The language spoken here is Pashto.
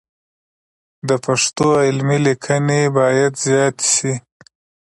د پښتو علمي لیکنې باید زیاتې سي.